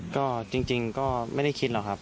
ก็จริงก็ไม่ได้คิดหรอกครับ